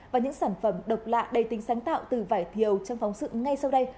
và những sản phẩm độc lạ đầy tính sáng tạo từ vải thiều trong phóng sự ngay sau đây